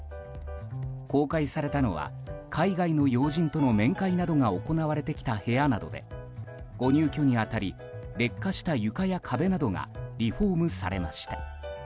公開されたのは、海外の要人との面会などが行われてきた部屋などでご入居に当たり劣化した床や壁などがリフォームされました。